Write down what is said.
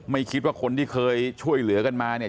ไม่คิดว่าคนที่เคยช่วยเหลือกันมาเนี่ย